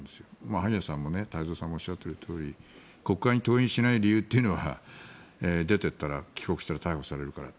萩谷さんも太蔵さんもおっしゃってるとおり国会に登院しない理由というのは出ていったら、帰国したら逮捕されるから。